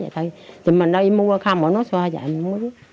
thì mình đi mua ở khám ở xã bình sơn